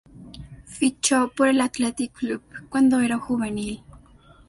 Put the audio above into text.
Fichó por el Athletic Club cuando era juvenil.